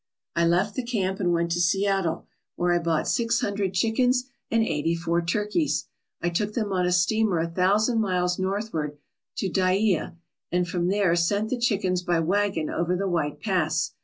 I left the camp and went to Seattle, where I bought six hundred chickens and eighty four turkeys. I took them on a steamer a thousand miles northward to Dyea, and from there sent the chickens by wagon over the White Pass.